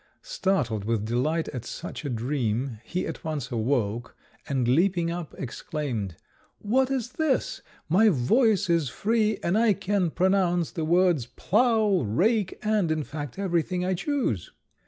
Startled with delight at such a dream, he at once awoke, and, leaping up, exclaimed, "What is this? my voice is free, and I can pronounce the words 'plough,' 'rake,' and, in fact, everything I choose!"